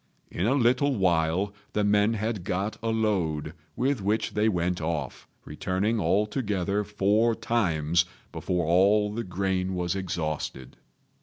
In a little while the men had got a load, with which they went off, returning altogether four times before all the grain was exhausted.